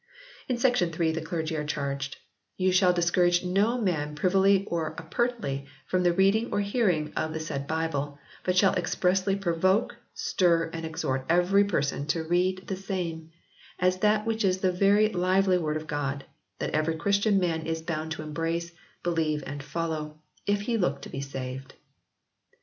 In section 3 the clergy are charged "You shall discourage no man privily or apertly from the reading or hearing of the said Bible, but shall ex pressly provoke, stir, and exhort every person to read the same, as that which is the very lively word of God, that every Christian man is bound to embrace, believe and follow, if he look to be saved."